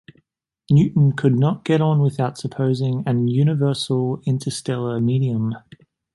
Newton could not get on without supposing an universal interstellar medium.